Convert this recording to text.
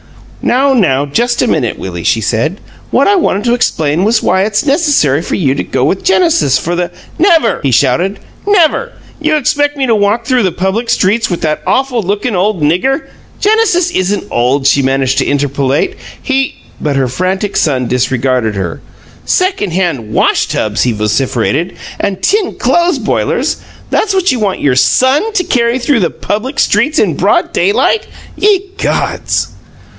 "Now, now, just a minute, Willie!" she said. "What I wanted to explain was why it's necessary for you to go with Genesis for the " "Never!" he shouted. "Never! You expect me to walk through the public streets with that awful lookin' old nigger " "Genesis isn't old," she managed to interpolate. "He " But her frantic son disregarded her. "Second hand wash tubs!" he vociferated. "And tin clothes boilers! THAT'S what you want your SON to carry through the public streets in broad daylight! Ye gods!"